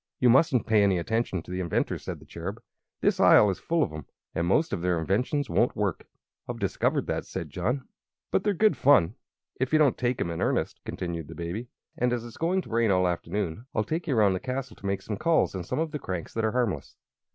"You mustn't pay any attention to the inventors," said the Cherub. "This Isle is full of 'em, and most of their inventions won't work." "I've discovered that," said John. "But they're good fun, if you don't take 'em in earnest," continued the Baby; "and as it's going to rain all the afternoon I'll take you around the castle to make some calls on some of the cranks that are harmless."